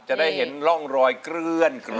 จะได้เห็นร่องรอยเกลือน